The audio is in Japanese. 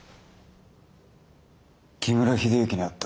木村秀幸に会った。